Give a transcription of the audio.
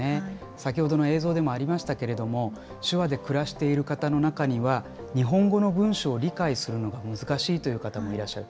先ほどの映像でもありましたけれども、手話で暮らしている方の中には日本語の文章を理解するのが難しいという方もいらっしゃる。